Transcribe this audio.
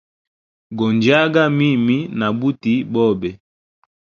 Go njyaga mimi na buti bobe.